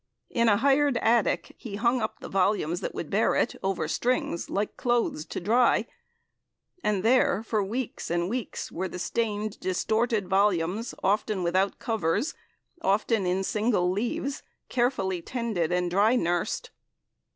In a hired attic, he hung up the volumes that would bear it over strings like clothes, to dry, and there for weeks and weeks were the stained, distorted volumes, often without covers, often in single leaves, carefully tended and dry nursed.